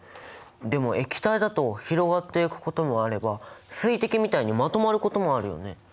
でも液体だと広がっていくこともあれば水滴みたいにまとまることもあるよね？